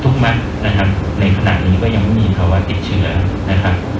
ทุกมัดในขณะนี้ก็ยังไม่มีผลว่าติดเชือการใช้